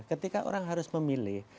ketika orang harus memilih